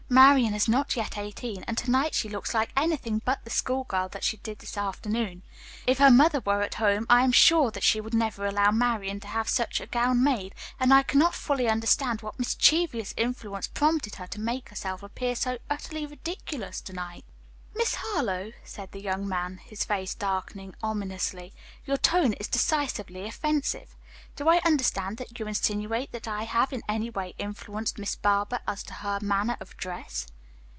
Marian is not yet eighteen, and to night she looks like anything but the school girl that she did this afternoon. If her mother were at home I am sure that she would never allow Marian to have such a gown made, and I cannot fully understand what mischievous influence prompted her to make herself appear so utterly ridiculous to night." "Miss Harlowe," said the young man, his face darkening ominously, "your tone is decidedly offensive. Do I understand you to insinuate that I have in any way influenced Miss Barber as to her manner of dress?"